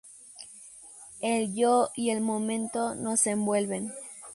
El yo y el momento nos envuelven.